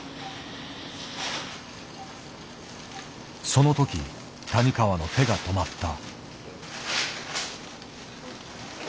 その時谷川の手が止まった。